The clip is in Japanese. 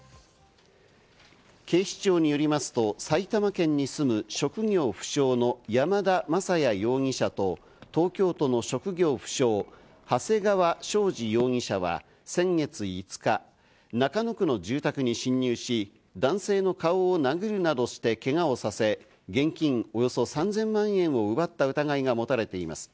警視庁によりますと、埼玉県に住む、職業不詳の山田雅也容疑者と東京都の職業不詳・長谷川将司容疑者は先月５日、中野区の住宅に侵入し、男性の顔を殴るなどしてけがをさせ、現金およそ３０００万円を奪った疑いが持たれています。